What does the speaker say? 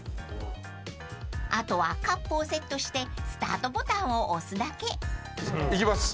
［あとはカップをセットしてスタートボタンを押すだけ］いきます。